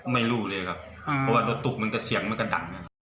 ไม่รู้เลยครับเพราะว่ารถตุ๊กมันก็เสียงมันก็ดัง